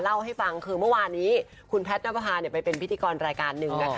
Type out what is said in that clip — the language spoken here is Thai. เล่าให้ฟังคือเมื่อวานนี้คุณแพทย์นับประพาไปเป็นพิธีกรรายการหนึ่งนะคะ